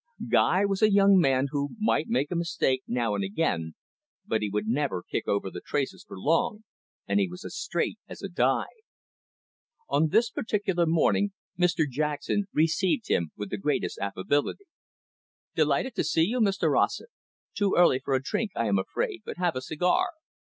Guy was a young man who might make a mistake now and again, but he would never kick over the traces for long, and he was as straight as a die. On this particular morning, Mr Jackson received him with the greatest affability. "Delighted to see you, Mr Rossett. Too early for a drink, I am afraid, but have a cigar."